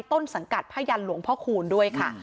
ต้นสังกัดพยันหลวงพ่อคูณด้วยค่ะ